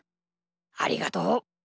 ありがとう。